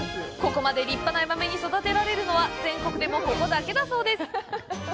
ここまで立派なヤマメに育てられるのは全国でも、ここだけだそうです。